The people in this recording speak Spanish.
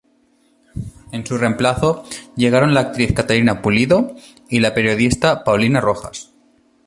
En su reemplazo llegaron la actriz Catalina Pulido y la periodista Paulina Rojas.